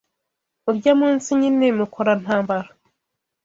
Urya munsi nyine Mukora-ntambara